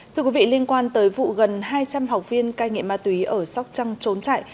thưa quý vị liên quan tới vụ gần hai trăm linh học viên cai nghiện ma túy ở sóc trăng trốn chạy